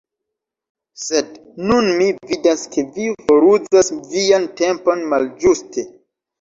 Sed nun mi vidas ke vi foruzas vian tempon malĝuste.